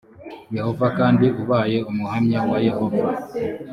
yehova kandi ko ubaye umuhamya wa yehova